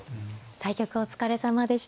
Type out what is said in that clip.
対局お疲れさまでした。